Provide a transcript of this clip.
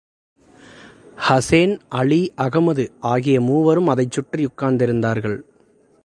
ஹசேன், அலி, அகமது ஆகிய மூவரும் அதைச்சுற்றியுட்கார்ந்திருந்தார்கள்.